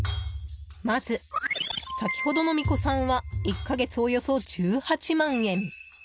まず、先ほどの巫女さんは１か月およそ１８万円。